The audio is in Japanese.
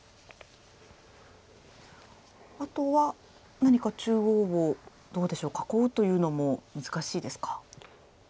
あとは何か中央をどうでしょう囲うというのも難しいですか。